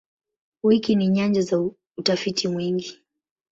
Wiki ni nyanja za utafiti mwingi.